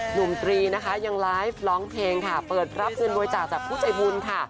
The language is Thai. ตรีนะคะยังไลฟ์ร้องเพลงค่ะเปิดรับเงินบริจาคจากผู้ใจบุญค่ะ